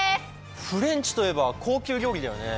フレンチといえば高級料理だよね。